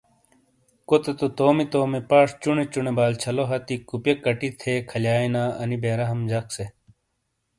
کوتے تو تومی تومی پاش چونے چونے بالچھلو ہتھی کوپئے کٹی تھے کھلیانا ان بےرحم جک سے۔